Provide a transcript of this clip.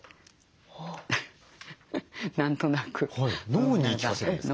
脳に言い聞かせるんですか？